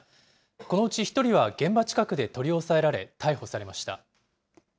このうち１人は現場近くで取り押さえられ、逮捕されました。